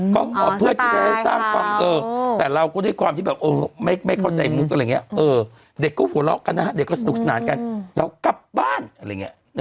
ก็หอบเพื่อเอาแต่เราก็ได้ความคิดแบบโอ้ไม่เข้าใจมุมอะไรอย่างนี้